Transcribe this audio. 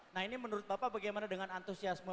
nah ini menurut bapak bagaimana dengan antusiasme